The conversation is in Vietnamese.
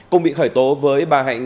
cùng bị khởi tố với bà hạnh